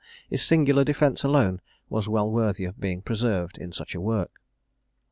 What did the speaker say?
His singular defence alone was well worthy of being preserved in such a work.